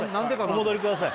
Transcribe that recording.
お戻りください